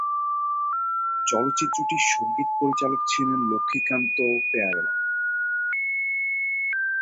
চলচ্চিত্রটির সঙ্গীত পরিচালক ছিলেন লক্ষ্মীকান্ত-প্যায়ারেলাল।